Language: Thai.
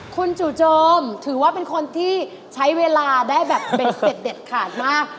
คุณจู่โจมถือว่าเป็นคนที่ใช้เวลาได้แบบเด็ดขาดมาก